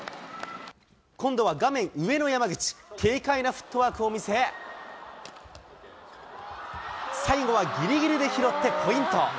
今度は画面上の山口、軽快なフットワークを見せ、最後はギリギリで拾ってポイント。